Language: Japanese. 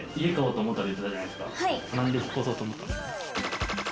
なんで引っ越そうと思ったんですか？